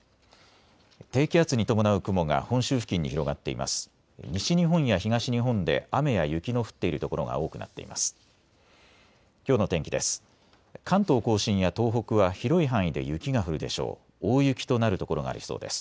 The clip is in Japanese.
低気圧に伴う雲が本州付近に広がっています。